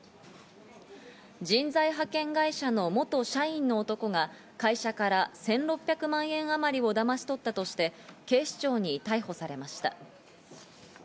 人材派遣会社の元社員の男が会社から１６００万円あまりをだまし取ったとして、警視庁に逮捕されました。